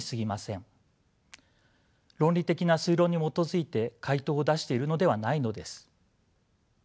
論理的な推論に基づいて回答を出しているのではないのです。